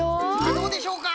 どうでしょうか？